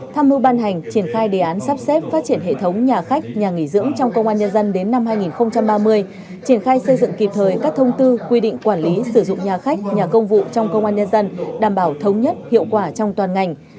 tham mưu ban hành triển khai đề án sắp xếp phát triển hệ thống nhà khách nhà nghỉ dưỡng trong công an nhân dân đến năm hai nghìn ba mươi triển khai xây dựng kịp thời các thông tư quy định quản lý sử dụng nhà khách nhà công vụ trong công an nhân dân đảm bảo thống nhất hiệu quả trong toàn ngành